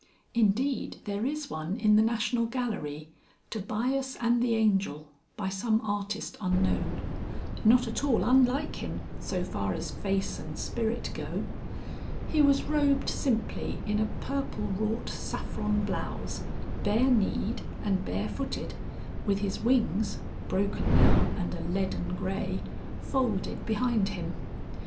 (Indeed, there is one in the National Gallery [Tobias and the Angel, by some artist unknown] not at all unlike him so far as face and spirit go.) He was robed simply in a purple wrought saffron blouse, bare kneed and bare footed, with his wings (broken now, and a leaden grey) folded behind him.